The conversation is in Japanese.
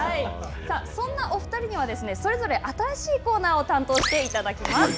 そんなお２人には、それぞれ新しいコーナーを担当していただきます。